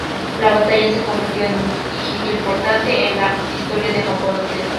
La batalla se convirtió en un hito importante en la historia de Japón occidental.